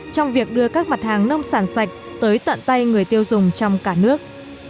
trong việc đưa các mặt hàng nông sản sạch tới tận tay người tiêu dùng trong cả nước